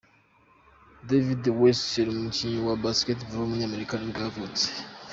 David Wesley, umukinnyi wa Basketball w’umunyamerika nibwo yavutse.